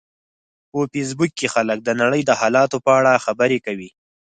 په فېسبوک کې خلک د نړۍ د حالاتو په اړه خبرې کوي